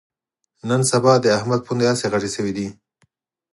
نن سبا د احمد پوندې هسې غټې شوې دي